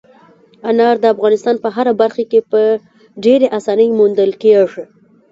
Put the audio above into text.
انار د افغانستان په هره برخه کې په ډېرې اسانۍ موندل کېږي.